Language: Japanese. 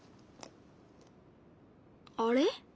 あれ？